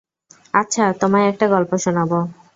আচ্ছা, তোমায় একটা গল্প শোনাব।